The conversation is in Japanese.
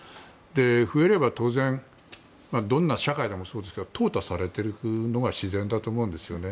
増えれば当然、どんな社会でもそうですが淘汰されていくのが自然だと思うんですよね。